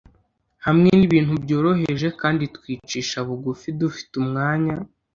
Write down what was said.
hamwe nibintu byoroheje kandi twicisha bugufi dufite umwanya;